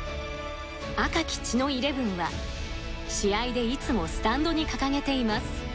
「赤き血のイレブン」は試合でいつもスタンドに掲げています。